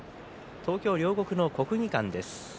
東京・両国の国技館です。